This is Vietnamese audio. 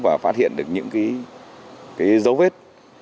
và phát hiện được những dấu vết